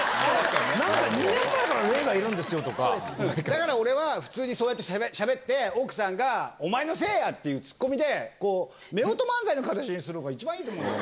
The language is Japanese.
なんか２年前から霊がいるんだから俺は普通にそうやってしゃべって、奥さんがお前のせいや！っていうツッコミで、夫婦漫才の形でするのが一番いいと思うよ。